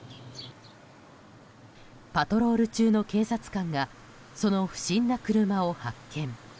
パトロール中の警察官がその不審な車を発見。